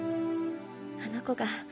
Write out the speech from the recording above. あの子が。